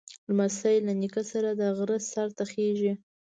لمسی له نیکه سره د غره سر ته خېږي.